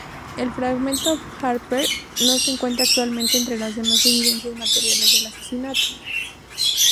El "fragmento Harper" no se encuentra actualmente entre las demás evidencias materiales del asesinato.